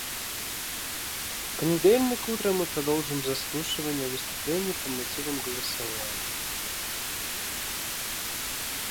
В понедельник утром мы продолжим заслушание выступлений по мотивам голосования.